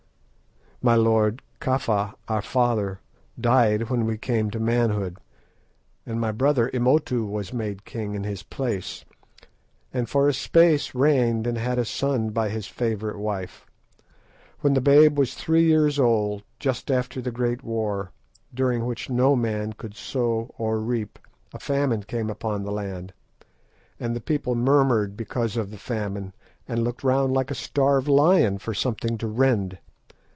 "My lord, Kafa, our father, died when we came to manhood, and my brother Imotu was made king in his place, and for a space reigned and had a son by his favourite wife. When the babe was three years old, just after the great war, during which no man could sow or reap, a famine came upon the land, and the people murmured because of the famine, and looked round like a starved lion for something to rend.